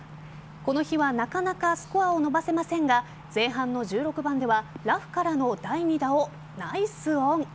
この日はなかなかスコアを伸ばせませんが前半の１６番ではラフからの第２打をナイスオン。